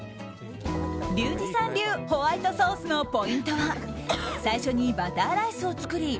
リュウジさん流ホワイトソースのポイントは最初にバターライスを作り